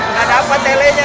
gak dapet telenya